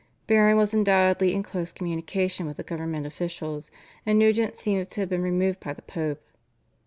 Baron was undoubtedly in close communication with the government officials, and Nugent seems to have been removed by the Pope.